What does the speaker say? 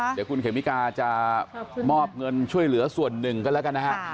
เดี๋ยวคุณเขมิกาจะมอบเงินช่วยเหลือส่วนหนึ่งกันแล้วกันนะฮะ